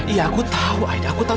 iya aku tau aida aku tau